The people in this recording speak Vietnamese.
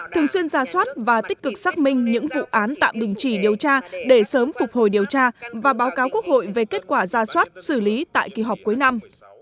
thường xuyên ra soát và tích cực xác minh những vụ án tạm đình chỉ điều tra để sớm phục hồi điều tra và báo cáo quốc hội về kết quả ra soát xử lý tại kỳ họp cuối năm